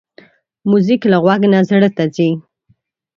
موزیک له غوږ نه زړه ته ځي.